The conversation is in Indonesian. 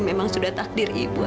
nama suami ibu